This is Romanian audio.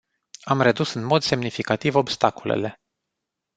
Am redus în mod semnificativ obstacolele.